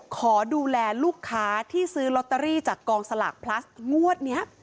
ขอดูแลลูกค้าที่ซื้อลอตเตอรี่จากกองสลากพลัสงวดนี้